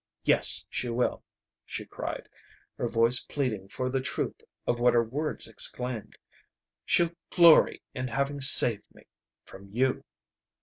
Yes, she will," she cried, her voice pleading for the truth of what her words exclaimed. "She'll glory in having saved me from you!